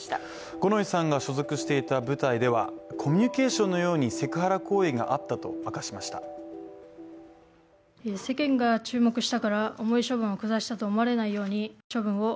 五ノ井さんが所属していた部隊ではコミュニケーションのようにセクハラ行為があったと明かしました。